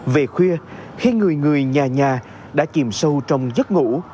về khuya khiến người người nhà nhà đã chìm sâu trong giấc ngủ